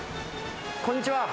こんにちは。